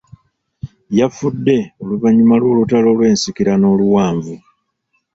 Yafudde oluvannyuma lw'olutalo lw'ensikirano oluwanvu.